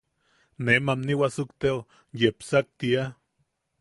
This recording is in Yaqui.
Ne mamni wasukteo yepsakatia.